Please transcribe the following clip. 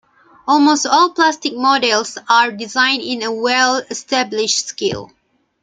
Almost all plastic models are designed in a well-established scale.